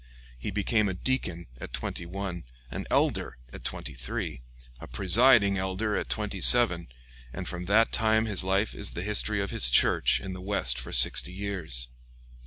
He became a deacon at twenty one, an elder at twenty three, a presiding elder at twenty seven, and from that time his life is the history of his church in the West for sixty years.